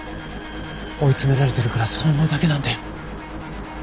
追い詰められてるからそう思うだけなんだよ。